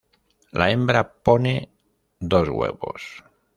La hembra pone dos huevos.